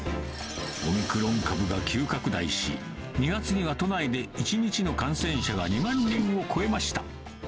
オミクロン株が急拡大し、２月には都内で１日の感染者が２万人を超えました。